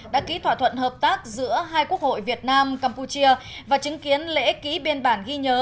đã ký thỏa thuận hợp tác giữa hai quốc hội việt nam campuchia và chứng kiến lễ ký biên bản ghi nhớ